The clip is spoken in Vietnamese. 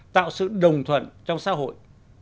tạo sự đồng thuận trong xã hội